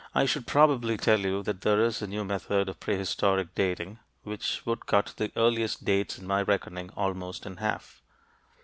I should probably tell you that there is a new method of prehistoric dating which would cut the earliest dates in my reckoning almost in half.